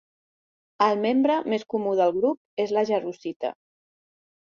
El membre més comú del grup és la jarosita.